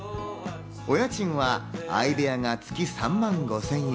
お家賃は相部屋が月３万５０００円。